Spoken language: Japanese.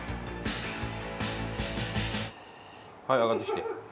はい上がってきて。